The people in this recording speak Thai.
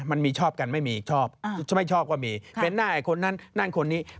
มันมีชอบกันไม่มีชอบไม่ชอบก็มีเป็นหน้าไอ้คนนั้นนั่นคนนี้